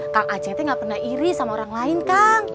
kang act nggak pernah iri sama orang lain kang